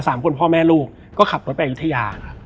สามคนพ่อแม่ลูกก็ขับรถไปอายุทยาครับ